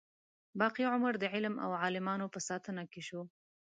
باقي عمر د علم او عالمانو په ساتنه کې شو.